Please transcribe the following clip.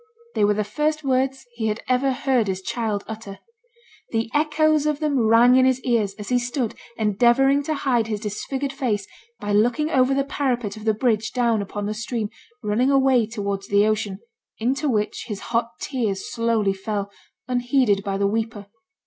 They were the first words he had ever heard his child utter. The echoes of them rang in his ears as he stood endeavouring to hide his disfigured face by looking over the parapet of the bridge down upon the stream running away towards the ocean, into which his hot tears slowly fell, unheeded by the weeper.